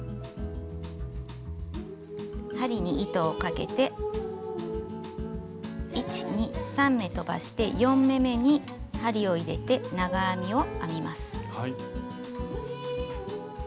針に糸をかけて１２３目とばして４目めに針を入れて長編みを編みます。